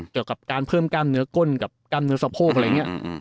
เกี่ยวกับการเพิ่มกล้ามเนื้อก้นกับกล้ามเนื้อสะโพกอะไรอย่างนี้